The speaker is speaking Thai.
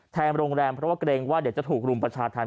แทนโรงแรมเพราะว่าเกรงว่าเด็ดจะถูกรุมประชาธิภัณฑ์